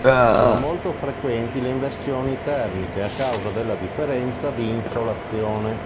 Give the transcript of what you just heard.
Sono molto frequenti le inversioni termiche, a causa della differenza di insolazione.